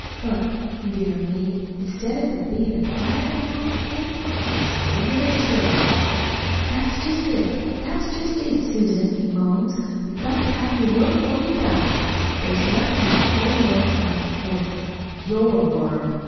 But, dear me, instead of its bein' a quieter now for him, it was a regular stirrup. "'That's just it, that's just it, Susan,' he moans. 'You've got to have work or you die. There's nothin' in the whole world like work YOUR WORK!